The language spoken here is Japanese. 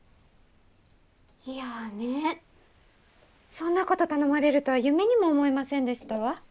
いやあねえそんなこと頼まれるとは夢にも思いませんでしたわ。